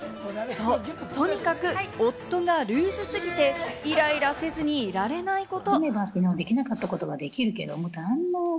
とにかく夫がルーズすぎて、イライラせずにいられないこと。